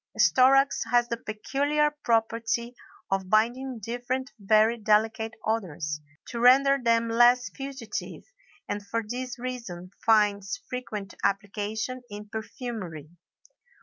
Storax has the peculiar property of binding different, very delicate odors, to render them less fugitive, and for this reason finds frequent application in perfumery.